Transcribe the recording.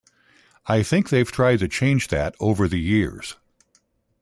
I think they've tried to change that over the years.